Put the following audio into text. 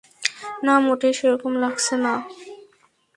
না, মোটেই সেরকম লাগছে না।